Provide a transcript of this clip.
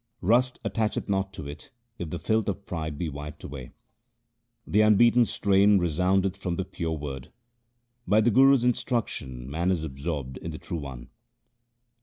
Rust attacheth not to it if the filth of pride be wiped away. The unbeaten strain resoundeth from the pure Word ; by the Guru's instruction man is absorbed in the True One.